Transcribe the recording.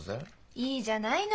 いいじゃないの。